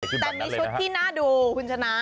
แต่มีชุดที่น่าดูคุณชนะ